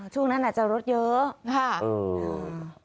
ช่วงนั้นอาจจะลดเยอะ